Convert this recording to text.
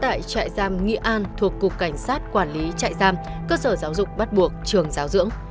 tại trại giam nghệ an thuộc cục cảnh sát quản lý trại giam cơ sở giáo dục bắt buộc trường giáo dưỡng